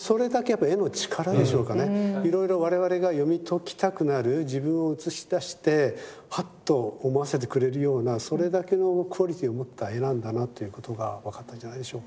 いろいろ我々が読み解きたくなる自分を映し出してハッと思わせてくれるようなそれだけのクオリティーを持った絵なんだなっていうことが分かったんじゃないでしょうか。